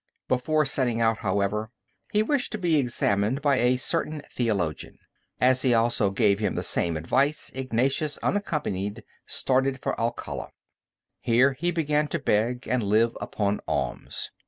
Before setting out, however, he wished to be examined by a certain theologian. As he also gave him the same advice, Ignatius, unaccompanied, started for Alcala. Here he began to beg and live upon alms.